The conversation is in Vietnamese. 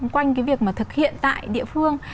quanh cái việc mà thực hiện tại địa phương